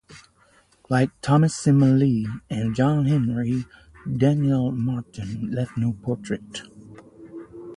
Like Thomas Sim Lee and John Henry, Daniel Martin left no portrait.